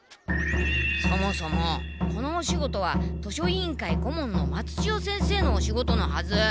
そもそもこのお仕事は図書委員会顧問の松千代先生のお仕事のはず。